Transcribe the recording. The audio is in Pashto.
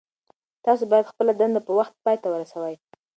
تاسو باید خپله دنده په وخت پای ته ورسوئ.